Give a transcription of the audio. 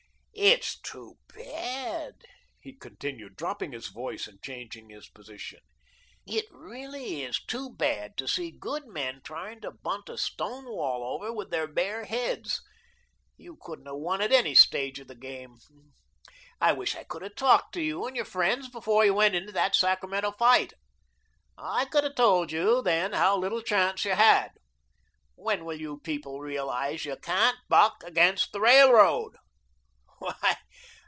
It's too bad," he continued, dropping his voice, and changing his position. "It really is too bad to see good men trying to bunt a stone wall over with their bare heads. You couldn't have won at any stage of the game. I wish I could have talked to you and your friends before you went into that Sacramento fight. I could have told you then how little chance you had. When will you people realise that you can't buck against the Railroad?